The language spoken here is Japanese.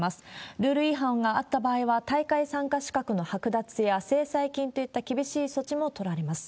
ルール違反があった場合は、大会参加資格の剥奪や制裁金といった厳しい措置も取られます。